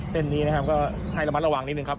เส้นนี้นะครับก็ให้ระมัดระวังนิดนึงครับ